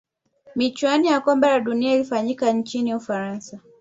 michuano ya kombe la dunia ilifanyika nchini ufaransa